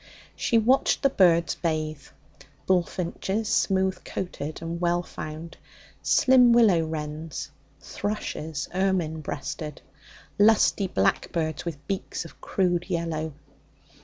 She watched the birds bathe bullfinches, smooth coated and well found; slim willow wrens; thrushes, ermine breasted; lusty blackbirds with beaks of crude yellow.